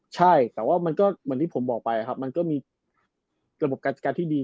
ใช่แต่ว่ามันก็เหมือนที่ผมบอกไปครับมันก็มีระบบการจัดการที่ดี